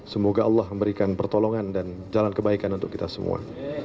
semoga allah memberikan pertolongan dan jalan kebaikan untuk kita semua